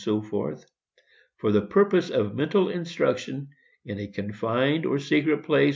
for the purpose of mental instruction, in a confined or secret place, &c.